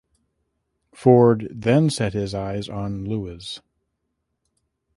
Ford then set his eyes on Lewes.